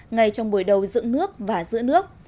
ngay trong buổi đầu dựng nước và giữa nước